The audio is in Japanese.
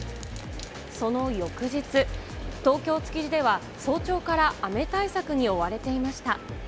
その翌日、東京・築地では、早朝から雨対策に追われていました。